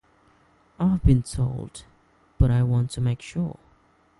I've been told, but I want to make sure.